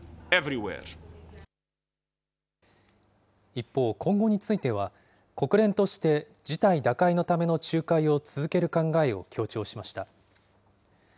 一方、今後については、国連として事態打開のための仲介を続ける考えを強調しました。